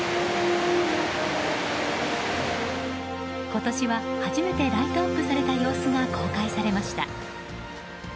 今年は初めてライトアップされた様子が公開されました。